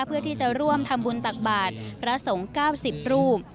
เพื่อที่จะร่วมทำบุญตักบาทพระสงฆ์๙๐รูป